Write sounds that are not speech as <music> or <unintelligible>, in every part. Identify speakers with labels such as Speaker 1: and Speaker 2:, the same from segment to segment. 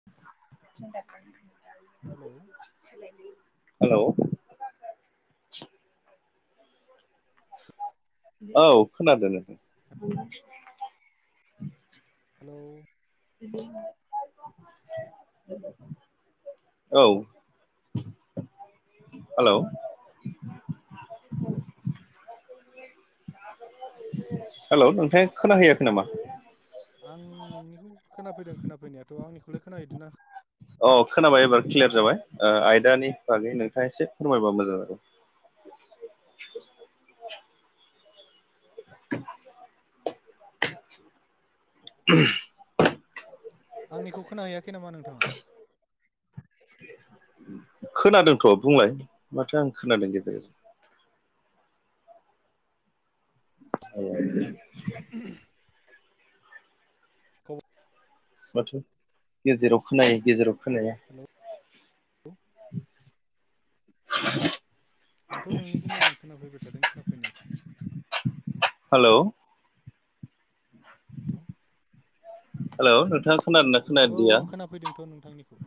Speaker 1: <unintelligible>
Speaker 2: Hello
Speaker 1: hello औ खोनादों।
Speaker 2: Hello
Speaker 1: <unintelligible> औ हेलौ हेलौ नोंथाङा खोनाहैयाखै नामा
Speaker 2: आं नोंनिखौ खोनाफैदों खोनाफैनायाथ' आंनिखौलाय खोनाहैदोंना
Speaker 1: औ खोनाबाय एबार क्लियार जाबाय आयदानि बागै नोंथाङा एसे फोरमायबा मोजां जागौ <unintelligible>
Speaker 2: आंनिखौ खोनाहायाखै नामा नोंथाङा
Speaker 1: खोनादोंथ' बुंलाय माथो आं खोनादों गेजेर गेजेर <unintelligible>
Speaker 2: औ
Speaker 1: माथो गेजेराव खोनायो गेजेराव खोनाया
Speaker 2: हेलौ
Speaker 1: <inaudible>
Speaker 2: आंथ' नोंनिखौ मोजां खोनाफैबाय थादों खोनाफैनाया
Speaker 1: हेलौ
Speaker 2: हेलौ
Speaker 1: हेलौ नोंथाङा खोनादोंना
Speaker 2: औ
Speaker 1: खोनादिया
Speaker 2: आं खोनाफैदोंथ' नोंथांनिखौ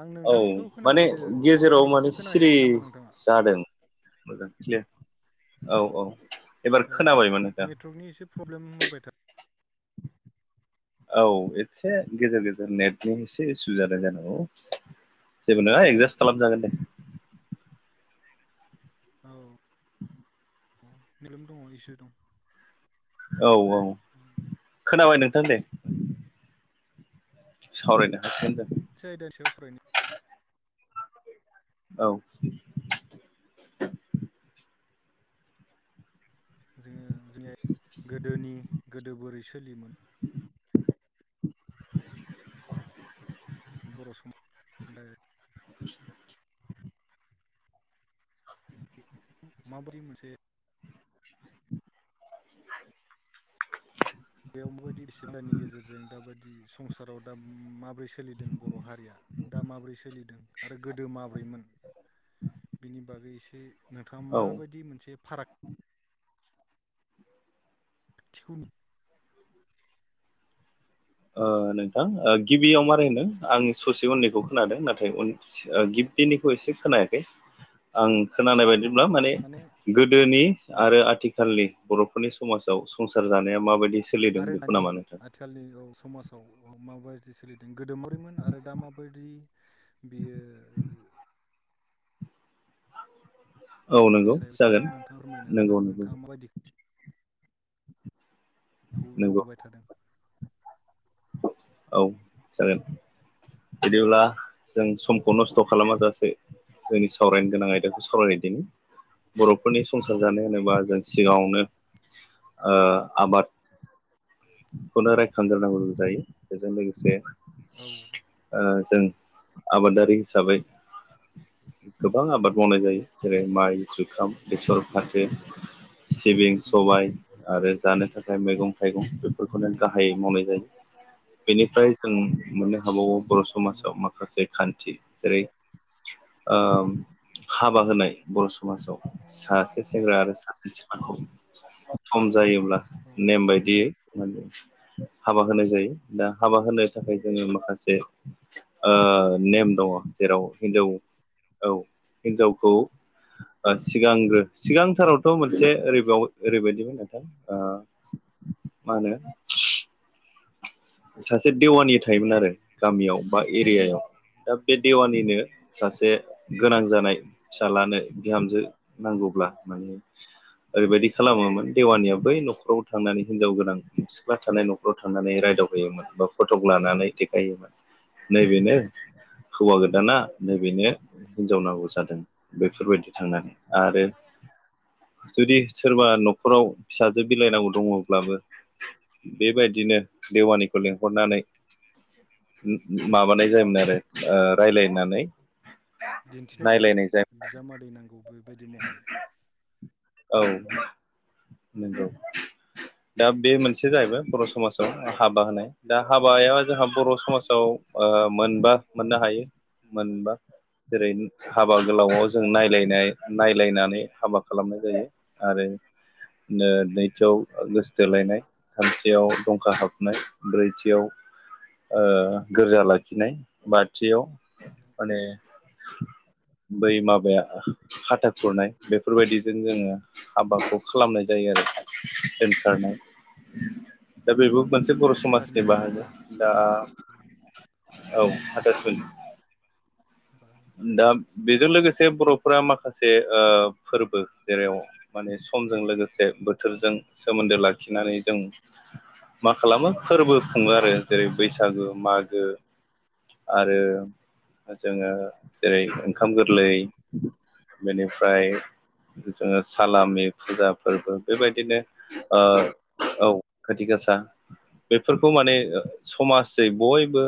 Speaker 2: आं
Speaker 1: औ
Speaker 2: नोंथांनिखौ
Speaker 1: माने
Speaker 2: खोनाफैदों
Speaker 1: गेजेराव
Speaker 2: आंनिखौसो
Speaker 1: माने सिरि
Speaker 2: खोनाहैयाखै नामा नोंथाङा
Speaker 1: जादों। मोजां औ औ एबार
Speaker 2: औ औ
Speaker 1: खोनाबायमोन नोंथां
Speaker 2: नेटअवाकनि एसे प्रब्लेम होबाय
Speaker 1: औ एसे गेजेर गेजेर नेटनि एसे इसु जादों जानांगौ औ जेबो नोङा
Speaker 2: थादों ने
Speaker 1: एडजास्ट खालामजागोन दे।
Speaker 2: औ औ निलोम दङ इसे दं।
Speaker 1: औ औ खोनाबाय नोंथां दे। सावरायनो हासिगोन दे
Speaker 2: से आयदानि सायाव सावरायनो
Speaker 1: औ <inaudible>
Speaker 2: जोङो जोंनिया गोदोनि गोदो बोरै सोलियोमोन
Speaker 1: <inaudible>
Speaker 2: बर' सम <unintelligible>
Speaker 1: <unintelligible>
Speaker 2: <unintelligible> माबोरै मोनसे
Speaker 1: <unintelligible>
Speaker 2: बेयाव माबायदि बिसिबिदानि गेजेरजों दाबायदि संसाराव दा माब्रै सोलिदों बर' हारिया दा माब्रै सोलिदों आरो गोदो माब्रैमोन बिनि बागै एसे नोंथाङा
Speaker 1: औ
Speaker 2: माबायदि मोनसे फाराग थिखौ
Speaker 1: ओ नोंथां ओ गिबियाव मारै होनो आं ससे उन्दैखौ खोनादों नाथाय उन ओ गिबिनिखौ एसे खोनायाखै आं खोनानाय बायदिब्ला माने गोदोनि
Speaker 2: औ
Speaker 1: आरो आथि खालनि बर'फोरनि समाजाव संसार जानाया माबायदि सोलिदों
Speaker 2: आरो
Speaker 1: बेखौ
Speaker 2: दानि
Speaker 1: नामा नोथां?
Speaker 2: आथिखालनि औ समाजाव माबायदि सोलिदों गोदो माब्रैमोन आरो दा माबायदि बियो ओ
Speaker 1: औ नंगौ
Speaker 2: सायाव एसे
Speaker 1: जागोन
Speaker 2: नोंथाङा फोरमायनो
Speaker 1: नंगौ
Speaker 2: हागोनामा
Speaker 1: नंगौ
Speaker 2: नोंथाङा माबायदिखौ खौ
Speaker 1: नंगौ
Speaker 2: जौगाबाय थादों
Speaker 1: <unintelligible> औ जागोन बिदिब्ला जों समखौ नस्थ' खालामाजासेै जोंनि सावरायनो गोनां आयदाखौ सावरायनायदिनि बर'फोरनि संसार जानो
Speaker 2: औ
Speaker 1: होनोबा जों सिगाङावनो आबाद खौनो रायखांग्रोनांगौ जायो बेजों लोगोसे
Speaker 2: औ
Speaker 1: ओ जों आबादारि हिसाबै गोबां आबाद मावनाय जायो जेरै माइ जुखाम बेसर फाथो सिबिं
Speaker 2: नंगौ
Speaker 1: सबाय आरो जानो थाखाय मैगं थाइगं फोरखौनो
Speaker 2: नंगौ
Speaker 1: गाहायै मावनाय जायो बेनिफ्राय जों मोननो हाबावो बर'
Speaker 2: नंगौ
Speaker 1: समाजाव माखासे खान्थि जेरै ओ हाबा होनाय बर' समाजाव सासे सेंग्रा आरो सासे
Speaker 2: औ
Speaker 1: सिख्लाखौ सम जायोब्ला
Speaker 2: औ
Speaker 1: नेम बायदियै माने हाबा होनाय जायो दा हाबा होनो थाखाय जोङो माखासे ओ नेम दङ जेराव हिनजाव औ हिन्जावखौ ओ सिगांग्रो सिगांथारावथ' मोनसे ओरैबाव ओरैबायदिमोन नोंथां ओ मा होनो सासे देवानि थायोमोन आरो गामियाव बा एरियायाव दा बे देवानिनो सासे गोनां जानाय फिसालानो बिहामजो नांगौब्ला माने ओरैबायदि खालामोमोन देवानियाव बै नखराव थांनानै हिनजाव गोनां सिख्ला थानाय नखराव थांनानै रायदावहैयोमोन बा फटग लानानै देखायहैयोमोन नैबेनो हौवा गोदाना नै बेनो हिनजाव नांगौ जादों बेफोरबायदि थांनानै आरो जुदि सोरबा नखराव फिसाजो बिलायनांगौ दङब्लाबो बेबायदिनो देवानिखौ लिंहरनानै माबानाय जायोमोन आरो ओ रायलायनानै
Speaker 2: दिन्थिनाय बेनो
Speaker 1: नायलायनाय जायोमोन
Speaker 2: बिजामादै नांगौ बेबायदि महरै
Speaker 1: औ नोंगौ दा बे मोनसे जाहैबाय बर' समासाव हाबा होनाय दा हाबाया जोंहा बर' समासाव ओ मोनबा मोननो हायो मोनबा जेरै हाबा गोलावाव जों नायलायनाय नायलायनानै हाबा खालामनाय जायो आरो नैथियाव गोसथोलायनाय थामथियाव
Speaker 2: उम
Speaker 1: दंखा हाब ब्रैथियाव गोरजा लाखिनाय बाथियाव
Speaker 2: न'
Speaker 1: आरो बै माबाया हाथा खुरनाय बेफोरबायदिजों जोङो हाबाखौ। खालामनाय जायो आरो दोमखारारनाय दा बेबो मोनसे बर'
Speaker 2: हाथासुनि
Speaker 1: समाजनि
Speaker 2: होनो जायखौ ना
Speaker 1: बाहायो दा औ हाथासुनि
Speaker 2: बा
Speaker 1: दा बेजों लोगोसे बर'फोरा माखासे फोरबो जेराव माने समजों लोगोसे बोथोरजों सोमोन्दो लाखिनानै जों मा खालामो फोरबो खुङो आरो जेरै बैसागु मागो। आरो जोङो जेरै
Speaker 2: मागो
Speaker 1: ओंखाम गोरलै बेनिफ्राय। जोङो सालामि फुजा फोरबो बेबायदिनो औ खोथि गासा बेफोरखौ माने समाजै बयबो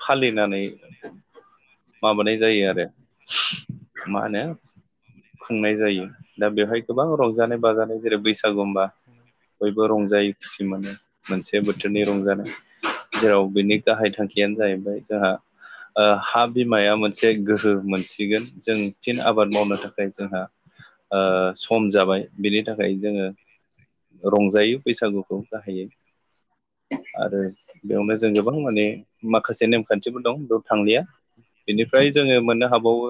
Speaker 1: फालिनानै
Speaker 2: समाजसे
Speaker 1: माबानाय
Speaker 2: गय
Speaker 1: जायो आरो मा होनो खुंनाय जायो दा बेवहाय गोबां रंजानाय बाजानाय जेरै बैसागुबा
Speaker 2: खुंनाय
Speaker 1: बयबो रंजायोै खुसि मोनो मोनसे बोथोरनि रंजानाय जेराव बिनि गाहाय थांखियानो जाहैबाय जोंहा हा बिमाया मोनसे मोनसे गोहो मोनसिगोन जों फिन आबाद मावनो थाखाय जोंहा सम जाबाय बिनि थाखाय जोङो। रंजायो बैसागुखौ गाहायो। आरो बेयावनो जों गोबां माने माखासे नेमखान्थिफोर दं बेयाव थांलिया फ्राय
Speaker 2: औ
Speaker 1: जोङो मोननो हाबावो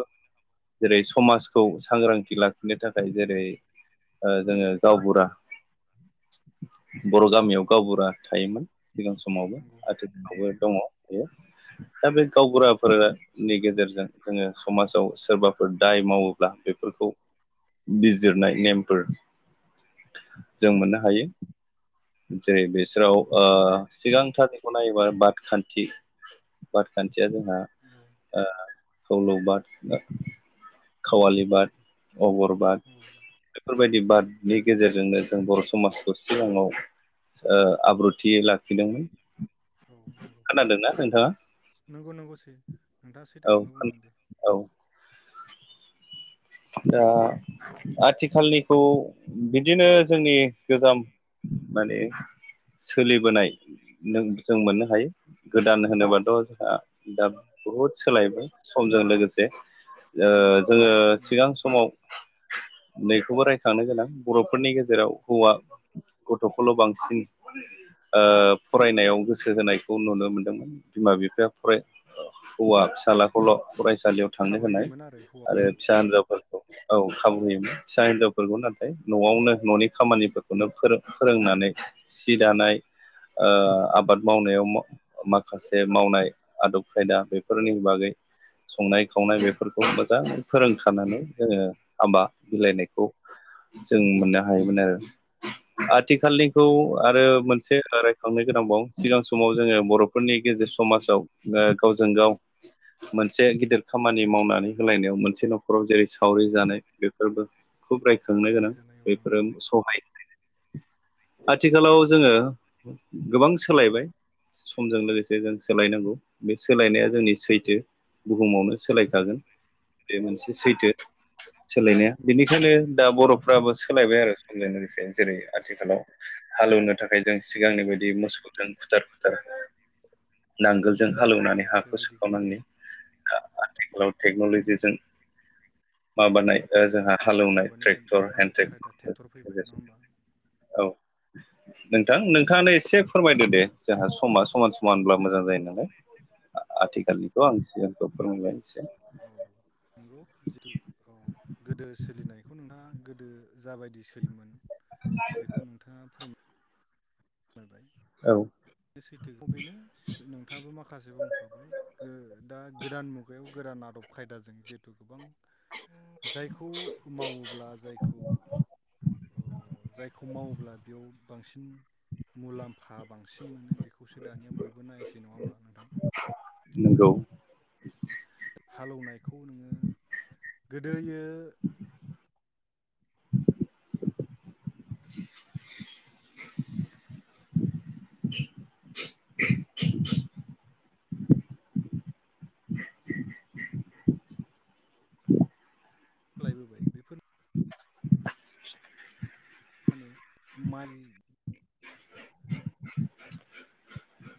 Speaker 1: जेरै समाजखौ सांग्रांथि लाखिनो थाखाय जेरै जोङो गावबुरा बर' गामियाव गावबुरा थायोमोन सिगां समावबो
Speaker 2: नंगौ नंगौ उम
Speaker 1: आथिखालावबो दङ बेयो दा बे गावबुराफोरा नि गेजेरजों जोङो समाजाव सोरबाफोर दाय मावोब्ला बेफोरखौ बिजिरनाय नेमफोर जों मोननो हायो। जेरै बिसोराव
Speaker 2: उम नंगौ औ
Speaker 1: सिगांथारनिखौ नायोबा बाद खान्थि बाथखान्थिया जोंहा
Speaker 2: औ।
Speaker 1: खौलौ बाद खावालि बाद अगर बाद
Speaker 2: औ
Speaker 1: बेफोर बेफोरबायदि बादनि गेजेरजोंनो जों बर' समाजखौ सिगाङाव आब्रुथि लाखिदोंमोन
Speaker 2: औ नंगौ
Speaker 1: खोनादोंना नोंथाङा
Speaker 2: नंगौ नंगौसै नोंथाङा सैथोखौनो
Speaker 1: औ
Speaker 2: बुंदों दे
Speaker 1: औ। दा आथिखालनिखौ बिदिनो जोंनि गोजाम माने सोलिबोनाय जों मोननो हायो गोदान
Speaker 2: औ
Speaker 1: होनोबाथ'
Speaker 2: नंगौ
Speaker 1: जोंहा दा बहुद सोलायबाय समजों लोगोसे जोङो
Speaker 2: उम
Speaker 1: सिगां
Speaker 2: नंगौ
Speaker 1: समाव नैखौबो रायखांनो गोनां बर'फोरनि गेजेराव हौवा गथ'खौल' बांसिन फरायनायाव गोसो होनायखौ नुनो मोनदोंमोन बिमा बिफाया फराय हौवा फिसालाखौल' फरायसालियाव थांनो
Speaker 2: खाबु
Speaker 1: होनाय
Speaker 2: होयोमोन
Speaker 1: आरो
Speaker 2: हौवाफोरखौ
Speaker 1: फिसा हिनजावफोरखौ औ खाबु होयोमोन फिसा हिनजावफोरखौ नाथाय न'आवनो न'नि खामानिफोरखौनो फोर फोरोंनानै सि दानाय ओ आबाद मावनायाव माखासे मावनाय आदब खायदा बेफोरनि बागै संनाय खावनाय बेफोरखौ मोजां फोरोंखानानै जोङो हाबा बिलाइनायखौ जों मोननो हायोमोन आरो आथिखालनिखौ
Speaker 2: नंगौ नंगौ
Speaker 1: आरो मोनसे रायखांनो गोनांबाव सिगां समाव जोङो बर' फोरनि गेजेर समाजाव गावजों गाव मोनसे गिदिर खामानि मावनानै होलायनायाव मोनसे न'खराव जेरै सावरि जानाय बेफोरबो खौ रायखांनो गोनां
Speaker 2: सावरि जानाय औ नंगौ
Speaker 1: बेफोरो सहायनाय आथिखालाव जोङो गोबां सोलायबाय समजों लोगोसे जों सोलायनांगौ बे सोलायनाया जोंनि सैथो बुहुमावनो
Speaker 2: थारैनो
Speaker 1: सोलायखागोन बे मोनसे सैथो सोलायनाया
Speaker 2: उम
Speaker 1: बेनिखायनो दा बर'फ्राबो सोलायबाय आरो समजों लोगोसे जेरै आथिखालाव हालेवनो थाखाय जों सिगांनि बायदि मोसौजों खुथार खुथार नांगोलजों हालेवनानै हाखौ
Speaker 2: बेबायदि गैलिया
Speaker 1: सोखावनानै आथिखालाव
Speaker 2: औ
Speaker 1: टेक्नलजिजों माबानाय जोंहा हालेवनाय
Speaker 2: मुगानि
Speaker 1: ट्रेक्टर
Speaker 2: आदब
Speaker 1: हेन्दड
Speaker 2: खायदा फैबाय
Speaker 1: ट्रेक्टर
Speaker 2: नङा होमबा
Speaker 1: औ नोंथां नोंथाङानो एसे फोरमायदो दे जोंहा समा समान समान होनब्ला मोजां जायो नालाय आथिखालनिखौ आं <unintelligible> फोरमायलबायसै
Speaker 2: औ नंगौ जिथु औ गोदो सोलिनायखौ नोंथाङा गोदो जाबायदि सोयोमोन बेखौ नोंथाङा फोरमा मोनबाय
Speaker 1: औ
Speaker 2: सैथोखौ बेनो नोंथाङाबो माखासे बुंखाबाय गो दा गोदान मुगायाव गोदान आदब खायदाजों जिहेथु गोबां जायखौ मावोब्ला जायखौ जायखौ मावोब्ला बेयाव बांसिन मुलाम्फा बांसिन मोनो बेखौसो दानिया बयबो नायसै नङा होमबा नोंथां
Speaker 1: नंगौ
Speaker 2: हालेवनायखौ नोङो गोदोयो
Speaker 1: <inaudible> <inaudible>
Speaker 2: खालायबोबाय बेफोर माने माइ
Speaker 1: <inaudible>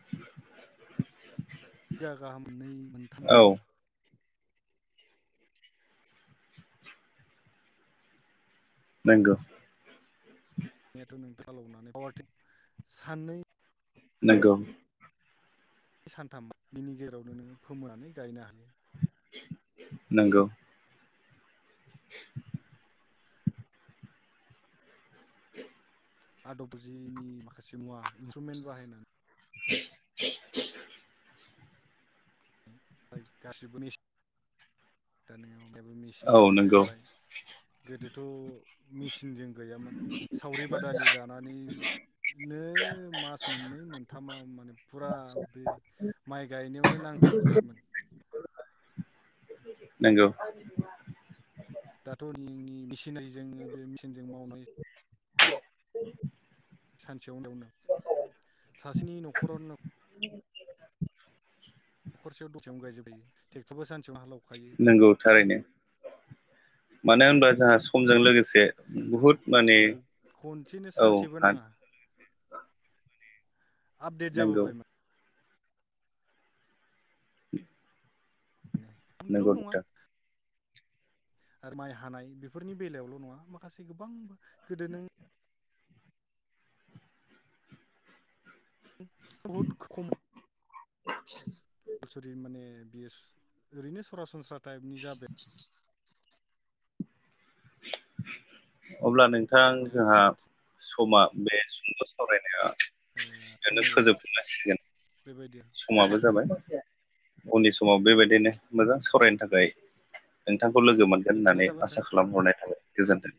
Speaker 2: गाहाम मोननै मोनथाम
Speaker 1: औ नंगौ
Speaker 2: <unintelligible> साननै
Speaker 1: नोंगौ
Speaker 2: सानथाम बिनि गेजेरावनो नोङो फोमोनानै गायनो हायो
Speaker 1: नोंगौ <inaudible> <inaudible>
Speaker 2: आदब जिनि माखासे मुवा इन्सट्रुमेन्ट बाहायनानै
Speaker 1: <inaudible>
Speaker 2: गासिबोनि दाा नैयावबो
Speaker 1: औ
Speaker 2: मेसिनजोंनो
Speaker 1: नंगौ
Speaker 2: गायबाय गोदोथ मेसिनजों गैयामोन सावरि बादालि जानानै नो मास मोननै मोनथामाव माने फुरा बे माइ गायनायावनो नांथाबखायोमोन
Speaker 1: नंगौ
Speaker 2: दाथ' <unintelligible> मावनाय
Speaker 1: <unintelligible>
Speaker 2: सानसेयाव <unintelligible> सासेनि न'खरावनो
Speaker 1: <inaudible>
Speaker 2: न'खरसेयाव दसेयाव गायजोबहायो ट्रेक्टरबो सानसेयाव हालौखायो
Speaker 1: नंगौ थारैनो मानो होनब्ला जोंहा समजों लोगोसे
Speaker 2: नोंथाङा
Speaker 1: बुहुद माने
Speaker 2: दाखौ खनसेनो
Speaker 1: औ
Speaker 2: सानसेबो
Speaker 1: हा
Speaker 2: नाङा माने आपडेट
Speaker 1: नंगौ
Speaker 2: जाबोबाय मा माने बेल'
Speaker 1: नंगौ
Speaker 2: नङा
Speaker 1: नोंथां
Speaker 2: आरो माइ हानाय बेफोरनि बेलायावल' नङा माखासे गोबां गोदो नों बहुत खम
Speaker 1: <inaudible>
Speaker 2: <unintelligible> माने बियो ओरैनो सरासनस्रा टाइपनि जाबाय
Speaker 1: <inaudible> अब्ला
Speaker 2: आरो
Speaker 1: नोंथां
Speaker 2: बिदिनो
Speaker 1: जोंहा
Speaker 2: लामा
Speaker 1: समा बे सुंद सावरायनाया बेयावनो
Speaker 2: समायबो
Speaker 1: फोजोबनांसिगोन
Speaker 2: बेबायदि
Speaker 1: समाबो जाबाय उननि समाव बेबायदिनो मोजां सावरायनो थाखाय नोंथांखौ लोगो मोनगोन
Speaker 2: गोजोननाय
Speaker 1: होननानै
Speaker 2: थाबाय
Speaker 1: आसा
Speaker 2: नोंथां सावरायनो
Speaker 1: खालामहरनाय गोजोनथों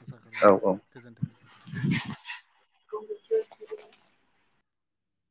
Speaker 2: आसा
Speaker 1: औ
Speaker 2: खालामबाय
Speaker 1: औ
Speaker 2: गोजोन्थों गोजोन्थों।